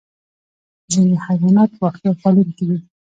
ځینې حیوانات واښه خوړونکي دي